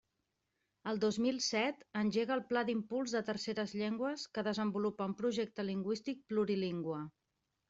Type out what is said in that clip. El dos mil set, engega el Pla d'Impuls de Terceres Llengües que desenvolupa un projecte lingüístic plurilingüe.